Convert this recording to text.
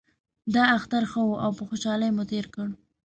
دا اختر ښه و او په خوشحالۍ مو تیر کړ